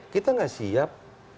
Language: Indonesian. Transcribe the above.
kita gak siap